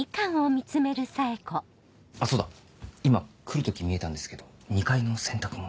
あっそうだ今来る時見えたんですけど２階の洗濯物。